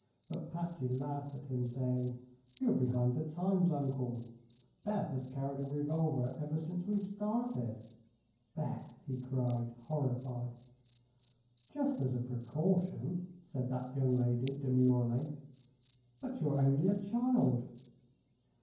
But Patsy laughed at him, saying: "You are behind the times, Uncle. Beth has carried a revolver ever since we started." "Beth!" he cried, horrified. "Just as a precaution," said that young lady, demurely. "But you're only a child!"